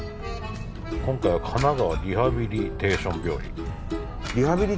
今回は神奈川リハビリテーション病院。